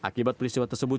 akibat peliswa tersebut